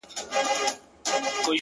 • لا یې لمر پر اسمان نه دی راختلی ,